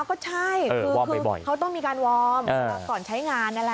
ก็ใช่เขาต้องมีการวอร์มก่อนใช้งาน